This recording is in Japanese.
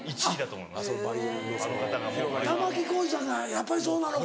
やっぱりそうなのか。